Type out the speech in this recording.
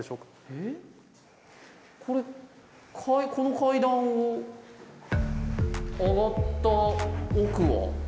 これこの階段を上がった奥は？